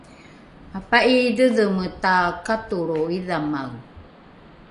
apa’iidhedheme takatolro idhamae